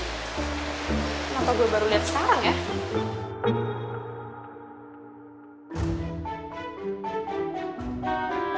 kenapa gue baru lihat sekarang ya